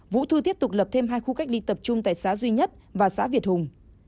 vũ thư tiếp tục lập thêm hai khu cách ly tập trung tại xã duy nhất và xã việt hùng